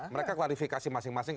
mereka klarifikasi masing masing